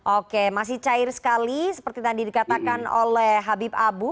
oke masih cair sekali seperti tadi dikatakan oleh habib abu